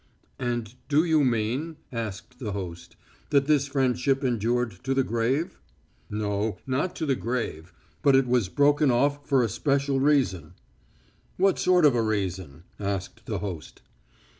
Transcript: "And do you mean," asked the host, "that this friendship endured to the grave?" "No, not to the grave. But it was broken off for a special reason." "What sort of a reason?" asked the host.